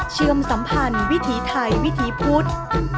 เชื่อมสัมพันธ์วิถีไทยวิถีพุทธ